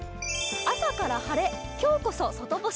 朝から晴れ、今日こそ外干し。